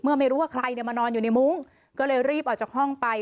ไม่รู้ว่าใครมานอนอยู่ในมุ้งก็เลยรีบออกจากห้องไป